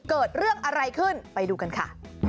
เกิดเรื่องอะไรขึ้นไปดูกันค่ะ